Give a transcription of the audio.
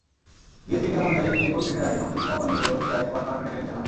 ডিএসইর নিয়ম অনুযায়ী, রেকর্ড ডেটের আগে সংশ্লিষ্ট কোম্পানিগুলোর শেয়ার স্পট মার্কেটে লেনদেন হয়।